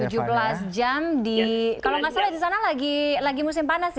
kalau nggak salah di sana lagi musim panas ya